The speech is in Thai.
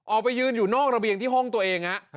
ออกไปยืนอยู่นอกระเบียงที่ห้องตัวเอง